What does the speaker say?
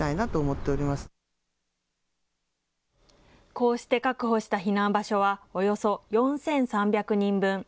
こうして確保した避難場所はおよそ４３００人分。